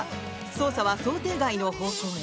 捜査は想定外の方向へ。